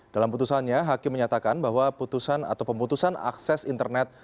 dalam putusannya hakim menyatakan bahwa putusan atau pemutusan akses internet